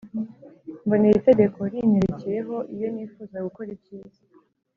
Mbona iri tegeko rinyerekeyeho iyo nifuza gukora icyiza